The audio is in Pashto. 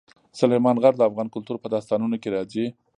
سلیمان غر د افغان کلتور په داستانونو کې راځي.